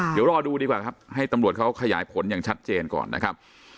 เดี๋ยวรอดูดีกว่าครับให้ตำรวจเขาขยายผลอย่างชัดเจนก่อนนะครับ